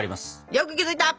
よく気付いた！